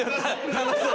楽しそう！